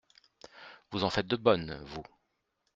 Vous en faites de bonnes, vous !